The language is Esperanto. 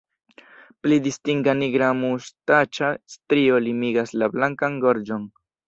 Pli distinga nigra mustaĉa strio limigas la blankan gorĝon.